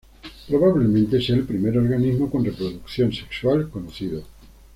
Probablemente sea el primer organismo con reproducción sexual conocido.